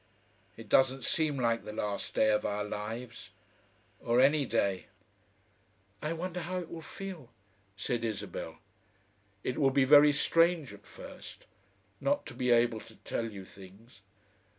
It doesn't seem like the last day of our lives. Or any day." "I wonder how it will feel?" said Isabel. "It will be very strange at first not to be able to tell you things."